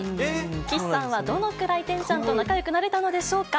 岸さんはどのくらいてんちゃんと仲よくなれたのでしょうか。